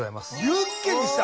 ユッケにした！